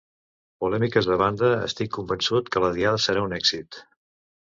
Polèmiques a banda, estic convençut que la Diada serà un èxit.